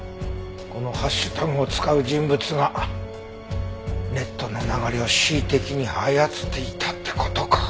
このハッシュタグを使う人物がネットの流れを恣意的に操っていたって事か。